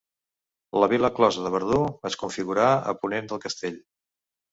La vila closa de Verdú es configurà a ponent del castell.